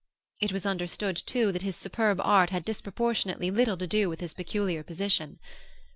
It was understood, too, that his superb art had disproportionately little to do with his peculiar position.